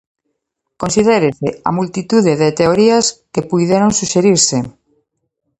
Considérese a multitude de teorías que puideron suxerirse.